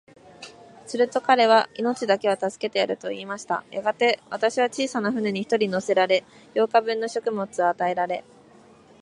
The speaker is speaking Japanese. すると彼は、命だけは助けてやる、と言いました。やがて、私は小さな舟に一人乗せられ、八日分の食物を与えられ、